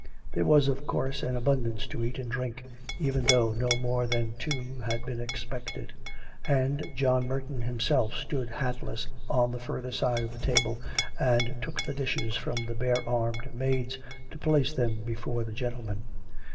There was, of course, an abundance to eat and drink, even though no more than two had been expected; and John Merton himself stood hatless on the further side of the table and took the dishes from the bare armed maids to place them before the gentlemen.